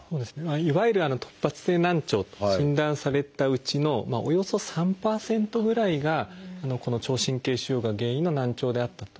いわゆる突発性難聴と診断されたうちのおよそ３％ぐらいがこの聴神経腫瘍が原因の難聴であったと。